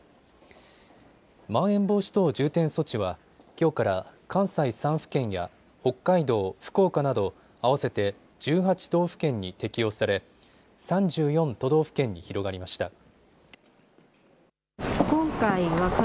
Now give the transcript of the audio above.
まん延防止等重点措置は、きょうから関西３府県や北海道、福岡など合わせて１８道府県に適用され３４都道府県に広がりました。